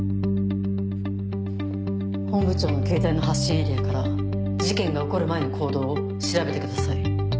本部長のケータイの発信エリアから事件が起こる前の行動を調べてください。